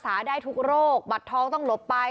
ทั้งหมดนี้คือลูกศิษย์ของพ่อปู่เรศรีนะคะ